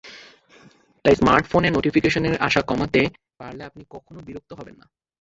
তাই স্মার্টফোনে নোটিফিকেশন আসা কমাতে পারলে আপনি কখনো বিরক্ত হবেন না।